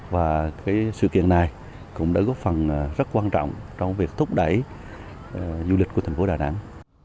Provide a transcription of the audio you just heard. và sự kiện này cũng đã góp phần rất quan trọng trong việc thúc đẩy du lịch của thành phố đà nẵng